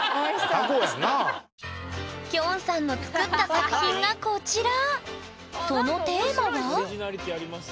きょんさんの作った作品がこちら！